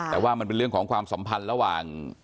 แต่ว่ามันเป็นเรื่องของความสัมพันธ์ระหว่าง